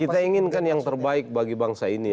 kita inginkan yang terbaik bagi bangsa ini